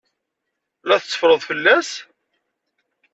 La tetteffreḍ fell-as?